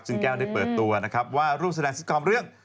ซึ่งแก้วได้เปิดตัวนะครับว่าร่วมแสดงสกอร์มเรื่อง